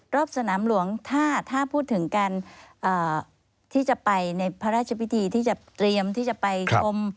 รอบสนามหลวงถ้าพูดถึงการที่จะไปในพระราชพิธีที่จะเตรียมที่จะไปชม